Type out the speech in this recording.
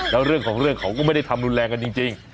แล้วเรื่องของเรื่องเขาก็ไม่ได้ทำรุนแรงกันจริง